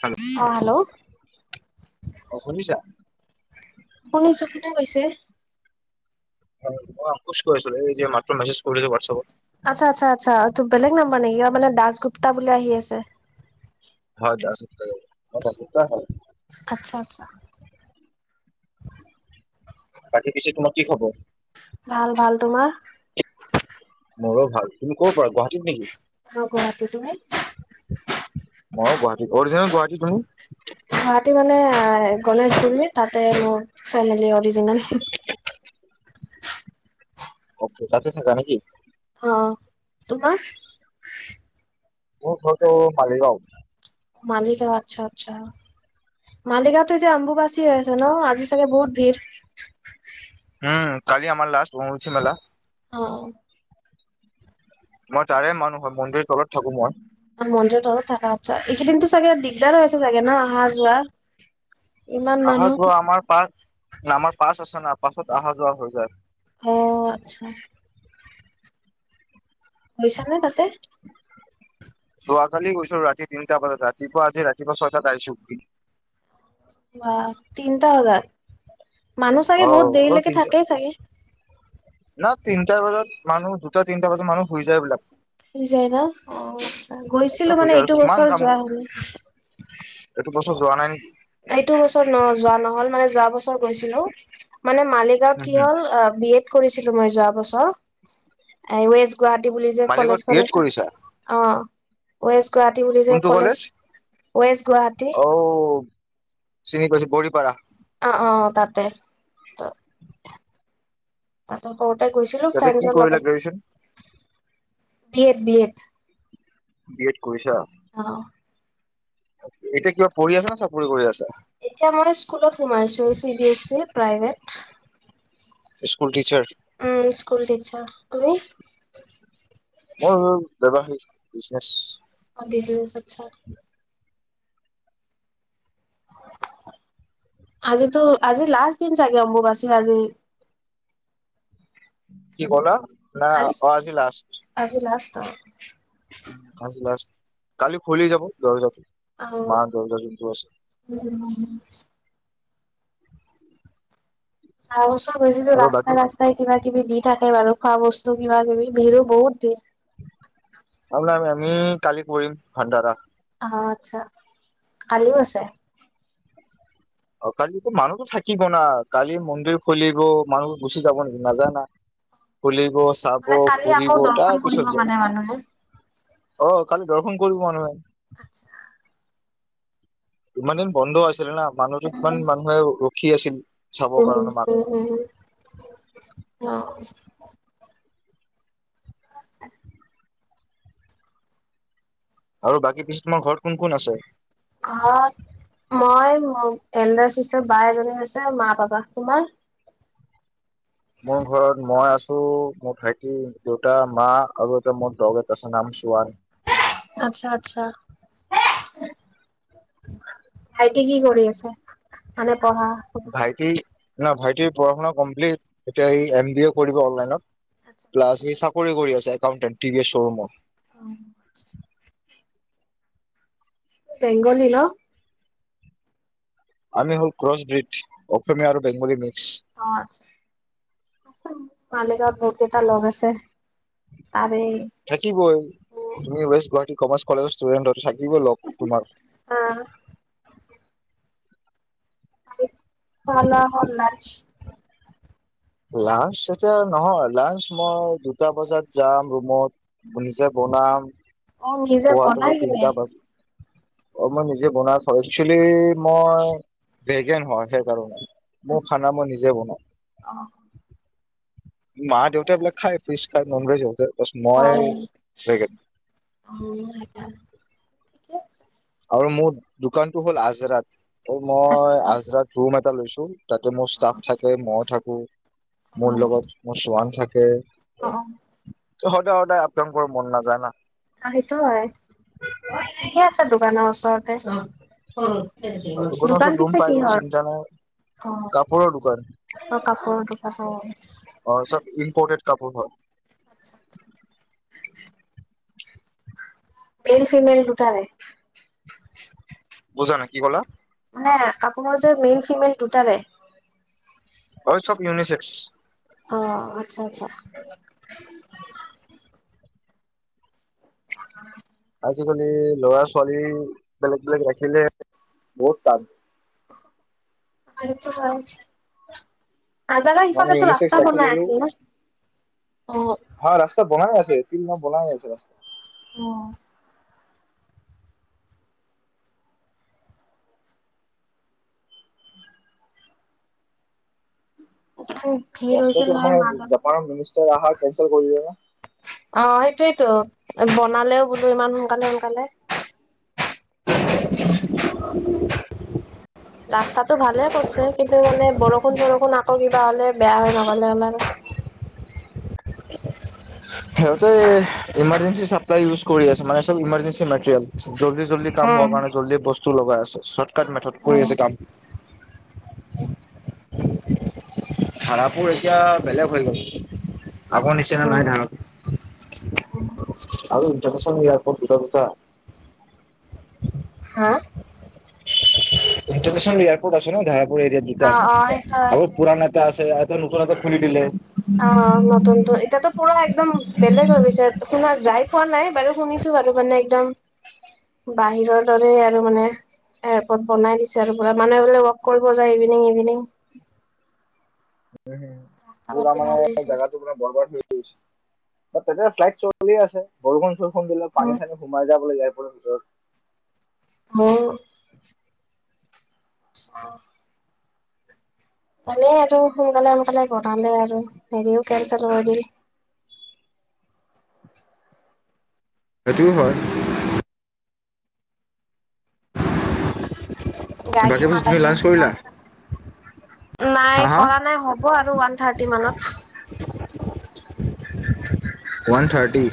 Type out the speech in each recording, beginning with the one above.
Hello হ hello? অ শুনিছা শুনিছো কোনে কৈছে? আকোচ কৰিছিলো এই যে মাত্ৰ মেছেজ কৰিছে হোৱাটছএপত। আচ্ছা আচ্ছা আচ্ছা তটো বেলেগ নাম্বাৰ নে ইায়াৰ মানে দাসগুপ্তা বুলি আহি আছে। হয় দা দাসগুপ্তা হয়। আচ্ছা আচ্ছা। বাকী পিছে তোমাৰ কি খবৰ? ভাল ভাল, তোমাৰ? মোৰো ভাল, তুমি ক'ৰ পৰা গুৱাহাটীত নেকি? মই গুৱাহাটীত, তুমি? মই গুৱাহাটীৰ অৰিজিনেল গুৱাহাটী। তুমি গুৱাহাটী মানে গণেশগুৰী তাতে মোৰ ফেমিলি অৰিজিনল। অকে তাতে থকা নেকি? অ' তোমাৰ মোৰ ঘৰতো মালিগাঁও। মালিগাওঁত, আচ্ছা আচ্ছা। মালিগাওঁটো এতিয়ি আম্বুবচী হৈ আছে ন আজি চাগে বহুত ভিৰ। উম কালি আমাৰ লাষ্ট আম্বুবচি মেলা। অ'অ' মই তাৰে মানুহ হয়, মন্দিৰ তলত থাকো মই। অ [unintelligible] হৈছে চাগে ন' আহা যোৱা। ইমান আহা মানুহ যোৱা আমাৰ পাছ আমাৰ পাছ আছে না পাছত অহা যোৱা হৈ যায়। অ', আচ্ছা। গৈছা নে তাতে? যোৱাকালি গৈছো ৰাতি তিনটা বজাত, ৰাতিপুৱা আজি ৰাতিপুৱা ছয়টাত আহিছো ঘূৰি। বা তিনটা বাজাত। মানুহ অ চাগে বহুত অ দেৰিলৈকে তিনটা থাকেই চাগে? না তিনটা বজাত মানুহ দুটা তিনটা বজাত মানুহ শুই যায় এইবলাক। হৈ যায় ন অ' গৈছিলো হৈ মানে যায় আৰু এইটো কিমান বছৰ কাম যোৱা হলে। এইটো বছৰত এইটো বছৰত ন যোৱা নহল মানে যোৱা বছৰ গৈছিলো। মানে মালিগাঁত উম কি হম হ'ল বি এড কৰিছিলো মই যোৱা বছৰ গুৱাহাটী বুলি যে মালিগাঁৱত কলেজ বি খন এড আছে, কৰিছা অ' গুৱাহাটী বুলি যে কলেজ ৱেষ্ট গুৱাহাটী। ঐই গৈজো বৰিপাৰা। অ' অ' তাতে ত [unintelligible] কৰুতে গৈছিলো তাতে কি ফ্ৰেণ্ডছৰ কৰিলা লগতে। Graduation B Ed, B Ed. B Ed কৰিছা? অ', এতিয়া কিবা পঢ়ি আছা না, চাকৰি কৰি আছা? এতিয়া মই স্কুলত সোমাইছো C B S E private. School teacher. উম, স্কুল টিচাৰ তুমি? মোৰ ব্যৱসায়িক বিজনেচ। অ', বিজনেছ আচ্ছা। [inaudible] আজিতো আজি লাষ্ট দিন চাগে অম্বুবাছীৰ আজি। কি কলা না অ', আজি লাষ্ট। তাৰপিছত। উম, আজি লাষ্ট কালি খুলি যাব দৰ্জাটো। আৰু মা দৰ্জা যোনটো আছে। [unintelligible] গৈছিলোঁ আৰু বাকী ৰাস্তা ৰাস্তাই কিবা কিবি দি থাকে বাৰু খোৱা বস্তু কিবা কিবি ভিৰো বহুত ভিৰ। তাৰমানে আমি আমি কালি কৰিম ভাণ্ডাৰা। অ', আচ্ছা কালিও আছে? অ', কালি মানুহতো থাকিব না কালি মন্দিৰ খুলিব মানুহ গুচি যাব নেকি নাযায় না। খুলিব চাব ফুৰিব তাৰ পিছত যায়। অ', কালি দৰ্শন কৰিব মানুহে। আচ্ছা। ইমান দিন বন্ধ আছিলে না মানুহটো কিমান মানুহে ৰখি আছিল। চাবৰ উম, কাৰণে মাক উম, উম, অ', [inaudible] আৰু বাকী পিছ তোমাৰ ঘৰত কোন কোন আছে? অ', এলডাৰ চিষ্টাৰ বা এজনী মোৰ ঘৰত মই আছো, মোৰ ভাইটি, দেউতা, মা আৰু এটা মোৰ দগ এটা আছে নাম চোৱান। আচ্ছা আচ্ছা। ভাইটি কি কৰি আছে মানে পঢ়া শুনা? ভাইটি না ভাইটিৰ পঢ়া শুনা কমপ্লিট এতিয়া সি এম বি এ কৰিব অনলাইনত। প্লাছ এই চাকৰি কৰি আছে accountant T V S শ্ব'ৰুমত। [inaudible] Bengali ন? আমি হ'ল ক্ৰছব্ৰীড, অসমীয়া আৰু বেংগলী মিক্স। অ, আচ্ছা, মালিগাঁৱত বহুতকেইটা লগ আছে তাৰে থাকিবই, তুমি west Guwahati commerce college student হলেতো থাকিবই লগ তোমাৰ অ [inaudible] লাঞ্চ এতিয়া নহয়, লাঞ্চ মই দুটা বজাত যাম ৰুমত, নিজে ব প্ৰনাম, অ নিজে খোৱাটো বনাই বাৰু কিনে তিনটা বাজি অ', মই নিজে বনাই খাওঁ, একচুৱেলী মই ভেগেন হয় সেইকাৰণে। মোৰ খানা মই নিজে বনাওঁ। অ মা দেউতা খায় ফিছ খায় ননভজ সিহঁতে বাছ, অ মই ভেগান। অ', সেইকাৰণে ঠিকে আছে। আৰু মোৰ দোকানটো হ'ল আজৰাত ত' মই আচ্ছা আজৰাত ৰুম এটা লৈছো। তাতে মোৰ অ ষ্টাফ থাকে মই থাকো অ মোৰ লগত মোৰ চোৱান থাকে। অ অ সদায় সদায় আপ ডাউন কৰা মন নাযায় না। অ, সেইটো হয়, ঠিকে আছে দোকানৰ ওচৰতে আৰু দোকানৰ দোকান ওচৰত ৰুম পিছে পাই গ'লে কিহৰ চিন্তা নাই। অ কাপোৰৰ দোকান। অ কাপোৰৰ দোকান অ, চব ইম্পৰ্টেড কাপোৰ [unintelligible] মে'ল ফিমেল দুটাই। বুজা নাই কি কলা? নে কাপোৰ যে মে'ল ফিমেল দুটাৰে? অ' চব ইউনিচেক্স অ', আচ্ছা, আচ্ছা। [inaudible] আজিকালি ল'ৰা ছোৱালী বেলেগ বেলেগ ৰাখিলে বহুত টান। সেইটো হয় আজাৰা মানে সিফালে তো ইউনিচেক্স ৰাস্তা বনাই আছিল। উ হ, ৰাস্তা বনাই আছে, [unintelligible] বনাই আছে ৰাস্তা। ভিৰ হৈছিল ৰাস্তাটো নহয় মানে, মাজতে। জাপানৰ মিনিষ্টাৰ আহা‌ কেঞ্চেল কৰি দিলে যে অ, সেইটোৱেইেতো, বনালেও বোলো ইমান সোনকালে সোনকালে। ৰাস্তাটো ভালে কৰিছে, কিন্তু মানে বৰষুণ চৰষুণ আকৌ কিবা হলে বেয়া হৈ নগলে হ'ল আৰু। [inaudible] সিহঁতে ইমাৰজেঞ্চি চাপ্লাই ইউজ কৰি আছে, মানে চব ইমাৰজেঞ্চি মেটেৰিয়েল। জল্দি জল্দি কাম উম হোৱাৰ কাৰণে জল্দি বস্তু লগাই আছে। চৰ্টকাট মেথড কৰি আছে কাম। [inaudible] ধাৰাপুৰ এতিয়া বেলেগ হৈ গ'ল, আগৰ নিচিনা নাই ধাৰা অ' অ' ইণ্টাৰনেচনেল এয়াৰপৰ্ট দুটা দুটা। হাঁ? ইণ্টাৰনেচনেল এয়াৰপৰ্ট আছে ন ধাৰাপ পুৰ এৰিয়াত দুটা, অ অ সেইটোৱে আৰু সেইটোৱে। পুৰাণ এটা আছে খুুলি দিলে অ নতুনতো এতিয়াতো পুৰা একদম বেলেগ হৈ গৈছে, শুনা যাই পোৱা নাই, বাৰু শুনিছো বাৰু মানে একদম বাহিৰৰ দৰে আৰু মানে এয়াৰপৰ্ট বনাই দিছে আৰু বো মানুহে বোলে ৱাক কৰিব যায় ইভিনিং ইভিনিং [inaudible] উম, ৰাস্তা পুৰা পাতি ভাল মানে হৈছে। জাগাটো কিবা বৰবাদ হৈ গৈছে তেতিয়া চ্লাইড চলি আছে, বৰষুণ চৰষুণ দিলে পানী চানী সোমাই যাই‌ বোলো ইয়াত। [inaudible] হ' আ এনেই আৰু সোনকালে সোনকালে বনালে আৰু হেৰিও কেনচেল কৰিলে [inaudible] সেইটোও হয়। গাড়ীৰ বাকী পিছে মাত তুমি আহি লাঞ্চ আছে কৰিলা বাহিৰত আছোন নাই হা হা কৰা নাই হ'ব আৰু ওৱান থাৰ্টি মানত ওৱান থাৰ্টি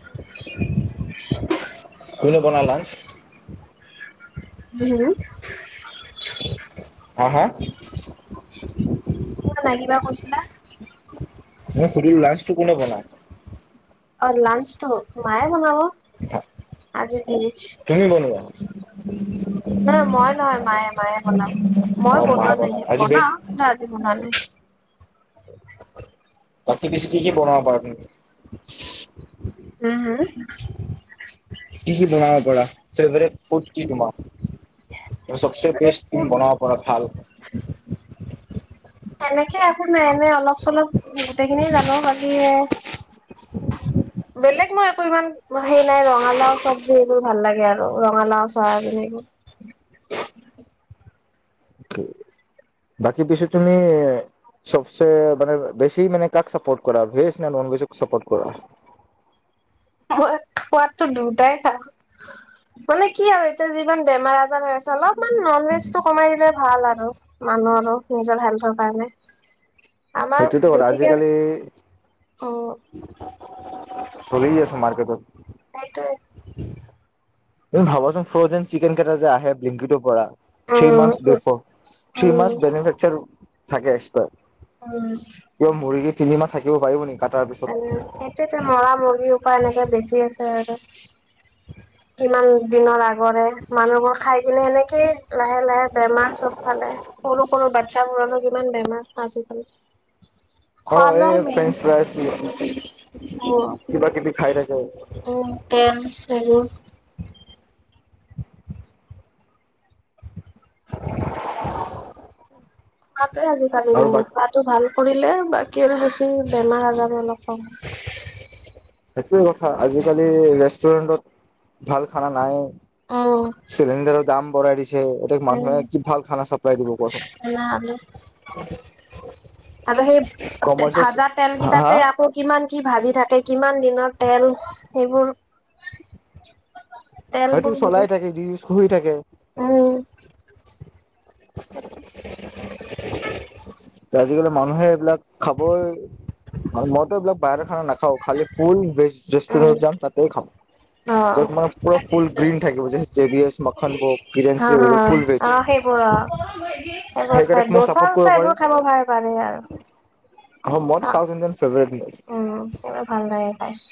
[inaudible] কোনে বনাই লাঞ্চ? উম হাঁ হাঁ লাগিবা কৈছিলা? ম সুধিল লাঞ্চটো কোনে বনা আৰু লাঞ্চ ত মায়ে বনাব, আজি দেৰি তুমি বনোৱা ন মই নহয় মায়ে মায়ে বনাওঁ। মই অ মা বনোৱা বনাই নাই আজি ভেজ বনাওঁ। কিন্তু আজি বনোৱা নাই। তাকী পিছি কি কি বনাব পাৰ তুমি। উম, হম। কি কি বনাব পাৰা ফেভৰেট ফুড কি তোমাৰ চবচে বেষ্ট হম। বনাব পাৰ ভাল এনেকে একো নাই এনে অলপ চলপ গোটেই খিনিয় জানো বাকী আছ বেলেগ মই একো ইমান সেই নাই ৰঙালাও চবজি সেইবোৰ ভাল লাগে আৰু ৰঙালাও চয়াবিন এইবোৰৰ [inaudible] বাকী পিছে তুমি চবচে মানে বেছি মানে কাক চাপোৰ্ট কৰা, ভেজ ন নন ভেজ চাপোৰ্ট কৰা [inaudible] মোৰ সোৱাদটো দুটাই খাওঁ। মানে কি আৰু এতিয়া যিমান বেমাৰ আজাৰ হৈ আছে অলপ মান নন ভেজটো কমাই দিলে ভাল আৰু মানুহৰো নিজৰ হেল্থৰ কাৰণে। আমাৰ সেইটোতো কথা বেছিকে আজিকালি উম চলি আছে মাৰ্কেটত সেটো তুমি ভাবাচোন ফ্ৰজেন চিকেন কেইটা যে আহে বিলিংকিটৰ পৰা three um months um before three months um বেনিফ্ৰেচাৰ থাকে। উম কিয় মুৰ্গী তিনি মাহ থাকিব পাৰিব নেকি? কাটাৰ পিছত আৰু এতি মৰা মুৰ্গী উপায় এনেকে বেছি আছে, আৰু কিমান দিনৰ আগৰে মানুহবোৰ খাই কিনে সেনেকে লাহে লাহে বেমাৰ চ'ব ফালে। সৰু সৰু বাচ্ছ মোৰনো কিমান বেমাৰ আজিকালি অ' খোৱা এই ফ্ৰেঞ্চ ফ্ৰাইজ আহ কিবা কিবি খাই থাকে উ [unintelligible] [inaudible] ত আজিকালি আৰু বাকী খোৱাটো ভাল কৰিলে বাকীৰে হৈছে বেমাৰ আজাৰ অলপ অ' সেইটোয়ে কথা আজিকালি ৰেষ্টুৰেন্টত ভাল খানা নাই। অ' চিলিণ্ডাৰৰ দাম বঢ়াই দিছে, এতিয়া উম, মানুহে কি ভাল খানা চাপ্লাই দিব, তেনেহলে কোৱাচোন। [inaudible] আৰু সেই কমাৰ্চেছ ভাজা তেল হা কেইটাতে আকৌ কিমান কি ভাজি থাকে কিমান দিনৰ তেল সেইবোৰ- হয়তো তেলবোৰ বোলো চলাই থাকে সি শুই থাকে উম [unintelligible] আজিকালি মানুহে এইবিলাক খাব মইতো এইবিলাক- বাহিৰ খানা নাখাওঁ খালি ফুল ভেজ ৰেষ্টুৰেণ্টত যাম তাতে খাওঁ উম য'ত মই ফুল অ গ্ৰীভে থাকিব, জে বি এ মন হা হা ব ফুল ভেজ। সেইবোৰত সেইকেইটাক খাই মই দচা চাপৰ্ট কৰিব চা এইবোৰ পাৰিম খাব ভাল পাৰে আৰু। অ' মই তো চাহ চাউথ ইণ্ডিয়ান ফেভেৰেট। উম, এইবোৰে ভাল লাগে খাই।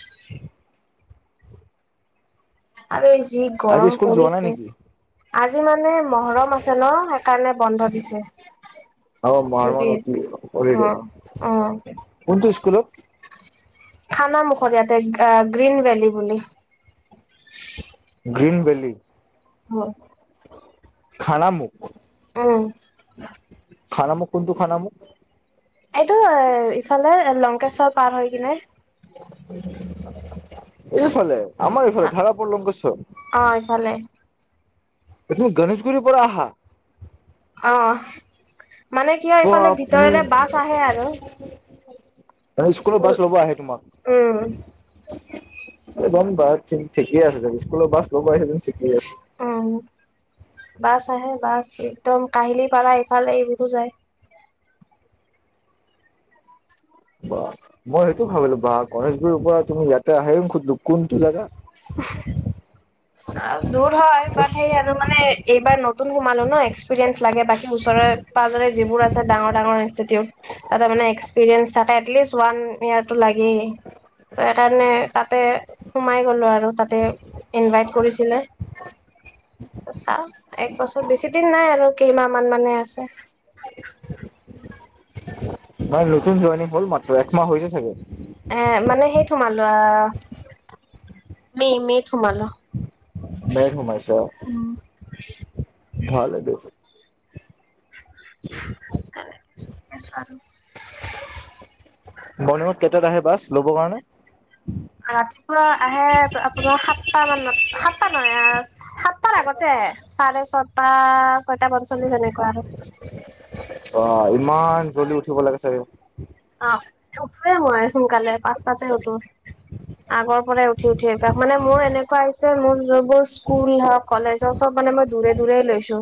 [inaudible] আৰু যি আজি গৰম স্কুল যোৱা নাই পৰিছে। নেকি আজি মানে মহৰম আছে ন সেইকাৰণে বন্ধ দিছে। অ চি মহাৰমান বিছ হলিডে অ অ কোনটো স্কুলত থানা মুখত ইয়াতে গ্ৰীণ ভেলি বুলি গ্ৰীন ভেলি হয়। খানা মুখ উম খানামুখ কোনটো খানা মুুখ এইটো এ ইফালে লংকেশ্বৰ পাৰ হয় কিনে এইফালে আমাৰ এইফালে ধাৰাপুৰ লংকেশ্বৰ অ এফালে এই তুমি গণেশগুৰিৰ পৰা আহা আহ মানে কিয় এইফালে ভিতৰৰে বাপৰে বাছ আহে আৰু স্কুলৰ বাছ স্কুল ল'ব আহে উম তোমাক এই গম বা ঠিক ঠিকে আছে স্কুলৰ বাছ ল'ব আহি ঠিকেই আছে উম বাছ আহে বাছ একদম কাহিলি পাৰা এইফালে এইবোৰোতো যায় বাহ মই সেইটো ভাবিলো বাহ গণেশগুুৰৰ পৰা তুমি ইয়াতে আহে সুধিলো কোনটো জেগা [unintelligible] অ দুৰ হয় বাট সেই আৰু মানে এইবাৰ নতুন সোমালো ন এক্সপিৰিয়েঞ্চ লাগে বাকী ওচৰত তাত যিবোৰ আছে ডাঙৰ ডাঙৰ ইনষ্টিটিউট তাতে মানে এক্সপিৰিয়েন্ঞ্চ থাকে এটলিষ্ট ওৱান ইয়াৰটো লাগেই ত সেইকাৰণে তাতে সোমাই গলো আৰু তাতে ইনভাইট কৰিছিলে চা এক বছৰ বেছি দিন নাই আৰু কেইমাহ মান মানে আছে মই নতুন জইনিং হ'ল মাত্ৰ একমাহ হৈছে চাগৈ সোমালোঁ আ মেই মেত সোমালোঁ বেমাইইছ ভাল লাগে ছছো আৰু মৰ্নিংত কেইটাত আহে বাছ ল'বৰ কাৰণে ৰাতিপুৱা আহে আপোনাৰ সাত- সাতটা মানত সাতটা নহয় সাতটাৰ আগতে আহে চাৰে ছটাত। ছয়টা পঞ্চল্লিছ এনেকে আহে অ ইমান জল্দি উঠিব লাগে চাগে আহ উঠোৱে মই সোনকালে পাঁচটাতে উঠো আগৰ পৰাই উঠি উঠি আভাস মানে মোৰ এনেকুৱা হৈছে মোৰ যবোৰ স্কুল হওক কলেজ হওক চব মানে মই দূৰে দূৰে লৈছো।